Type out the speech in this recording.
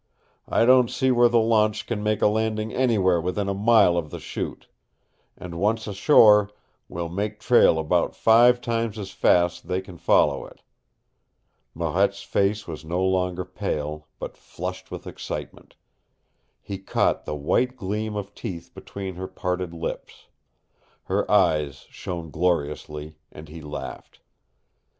I don't see where the launch can make a landing anywhere within a mile of the Chute. And once ashore we'll make trail about five times as fast they can follow it." Marette's face was no longer pale, but flushed with excitement. He caught the white gleam of teeth between her parted lips. Her eyes shone gloriously, and he laughed.